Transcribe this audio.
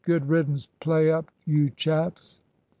Good riddance! Play up, you chaps!"